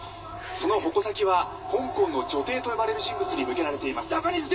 その矛先は香港の女帝と呼ばれる人物に向けられています。